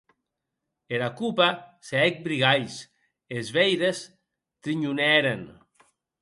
Era copa se hec brigalhs e es veires trinhonèren.